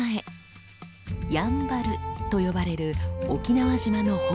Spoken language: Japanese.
やんばると呼ばれる沖縄島の北部。